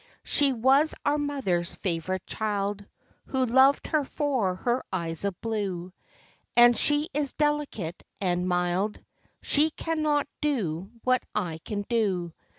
She was our motherŌĆÖs favorite child, Who loved her for her eyes of blue ; And she is delicate and mild ŌĆö She cannot do what I can do.